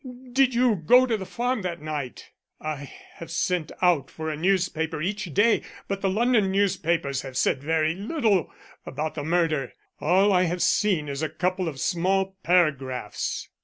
Did you go to the farm that night? I have sent out for a newspaper each day, but the London newspapers have said very little about the murder. All I have seen is a couple of small paragraphs."